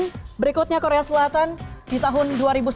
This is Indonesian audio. kemudian berikutnya korea selatan di tahun dua ribu sebelas